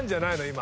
今。